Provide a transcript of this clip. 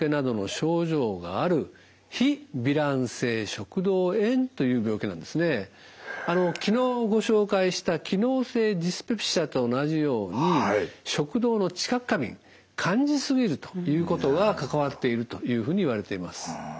食道に昨日ご紹介した機能性ディスペプシアと同じように食道の知覚過敏感じ過ぎるということが関わっているというふうにいわれています。